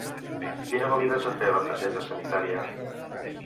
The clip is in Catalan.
Quina validesa té la targeta sanitària?